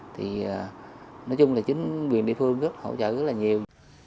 thì nói chung là chính quyền địa phương hỗ trợ rất là nhiều